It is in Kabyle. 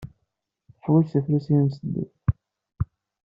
Teḥwaj tafrut ay imesden.